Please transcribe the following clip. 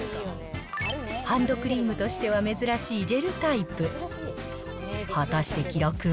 ハンドクリームとしては珍しいジェルタイプ。